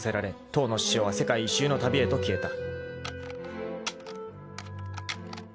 当の師匠は世界一周の旅へと消えた］